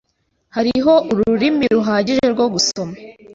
Hariho urumuri ruhagije rwo gusoma.